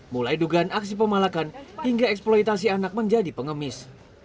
mulai dugaan aksi pemalakan hingga eksploitasi anak menjadi pengemis